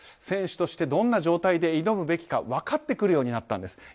選手としてどんな状態で挑むべきか分かってくるようになってきたんです。